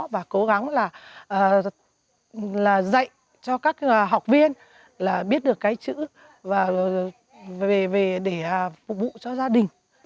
và cố gắng là dạy cho các học viên là biết được cái chữ và về để phục vụ cho gia đình